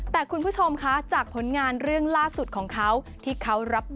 แต่คุณผู้ชมค่ะจากผลงานเรื่องล่าสุดของเขา